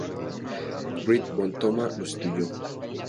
Ritter von Thoma lo sustituyó.